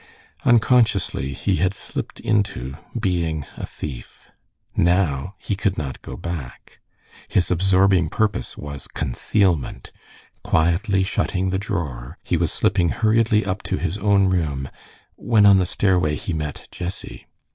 Unconsciously he had slipped into being a thief. Now he could not go back. His absorbing purpose was concealment. Quietly shutting the drawer, he was slipping hurriedly up to his own room, when on the stairway he met Jessie.